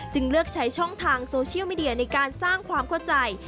เลือกใช้ช่องทางโซเชียลมีเดียในการสร้างความเข้าใจ